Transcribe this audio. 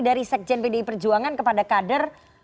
dari sekjen pdi perjuangan kepada kader